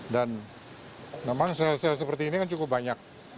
dan memang sel sel seperti ini kan cukup banyak